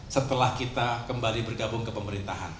setelah kita kembali bergabung ke pemerintahan